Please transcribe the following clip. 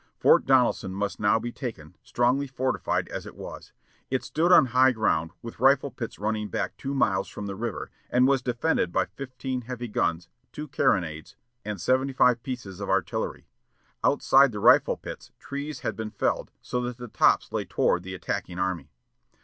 Fort Donelson must now be taken, strongly fortified as it was. It stood on high ground, with rifle pits running back two miles from the river, and was defended by fifteen heavy guns, two carronades, and sixty five pieces of artillery. Outside the rifle pits, trees had been felled, so that the tops lay toward the attacking army.